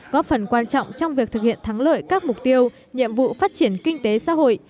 góp phần quan trọng trong việc thực hiện thắng lợi các mục tiêu nhiệm vụ phát triển kinh tế xã hội